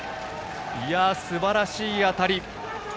すばらしい当たり。